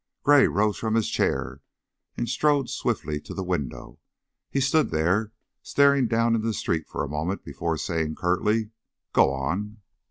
Gray rose from his chair and strode swiftly to the window. He stood there staring down into the street for a moment before saying, curtly, "Go on!"